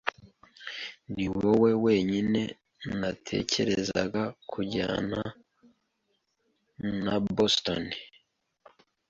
Niwowe wenyine natekereza kujyana na Boston.